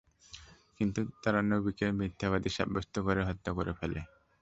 কিন্তু তারা নবীকে মিথ্যাবাদী সাব্যস্ত করে হত্যা করে ফেলে।